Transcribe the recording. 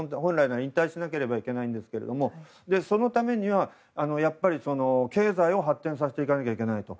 引退しなきゃいけないんですけどそのためにはやはり経済を発展させていかなければいけないと。